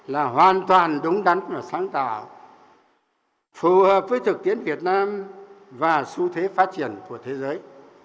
là hoàn toàn đúng đắn và sáng tạo phù hợp với thực tiễn việt nam và xu thế phát triển của thế giới